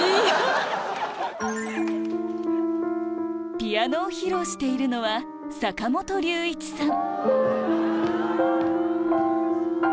ピアノを披露しているのは坂本龍一さん